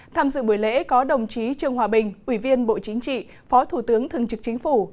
tham dự buổi lễ có đồng chí trương hòa bình ủy viên bộ chính trị phó thủ tướng thường trực chính phủ